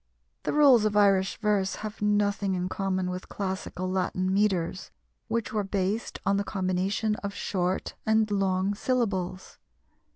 The rules of Irish verse have nothing in common with classical Latin metres, which were based on the combination of short and long syllables.